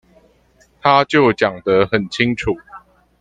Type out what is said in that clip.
他就講得很清楚